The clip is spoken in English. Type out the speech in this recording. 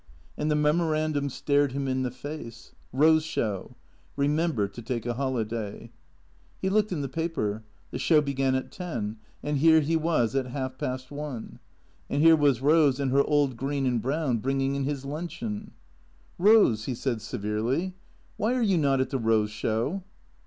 And the memorandum stared him in the face :" Eose Show. Eemember to take a holiday." He looked in the paper. The show began at ten. And here he was at half past one. And here was Eose, in her old green and brown, bringing in his luncheon. " Eose," he said severely, " why are you not at the Eose Show?"